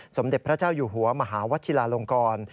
สมเด็จพระเจ้าอยู่หัวมหาวัชิลาลงกร